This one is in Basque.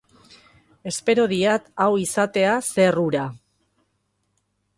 Espero diat hau izatea zer hura.